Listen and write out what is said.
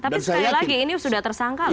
tapi sekali lagi ini sudah tersangka